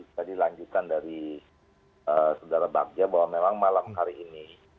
tadi lanjutan dari saudara bagja bahwa memang malam hari ini